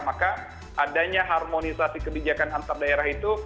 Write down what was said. maka adanya harmonisasi kebijakan antar daerah itu